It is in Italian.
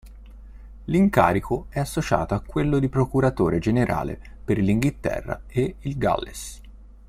L'incarico è associato a quello di procuratore generale per l'Inghilterra e il Galles.